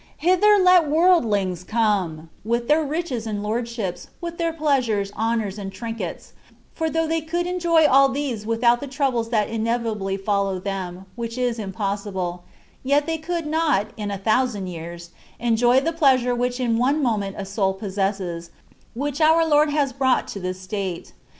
Hither let worldlings come, with their riches and lordships, with their pleasures, honours, and trin kets; for though they could enjoy all these without the troubles that inevitably follow them (which is impossible); yet they could not, in a thousand years, enjoy the pleasure which in one moment a soul possesses, which our Lord has brought to this state.